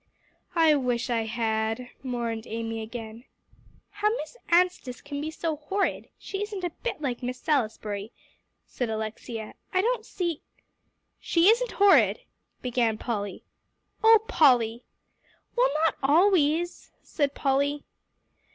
"I wish I had," mourned Amy again. "How Miss Anstice can be so horrid she isn't a bit like Miss Salisbury," said Alexia. "I don't see " "She isn't horrid," began Polly. "Oh Polly!" "Well, not always," said Polly.